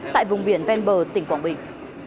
tại vùng biển ven bờ tỉnh quảng bình